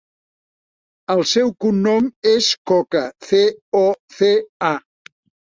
El seu cognom és Coca: ce, o, ce, a.